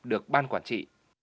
được ban quản trị